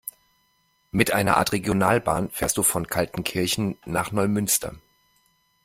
Mit einer Art Regionalbahn fährst du von Kaltenkirchen nach Neumünster.